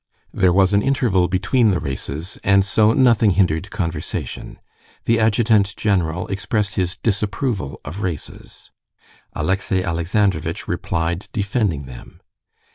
There was an interval between the races, and so nothing hindered conversation. The adjutant general expressed his disapproval of races. Alexey Alexandrovitch replied defending them.